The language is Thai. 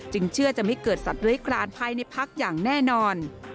จึงเชื่อจะไม่เกิดสัตว์โดยกลานภัยในภักรณอย่างแน่นอน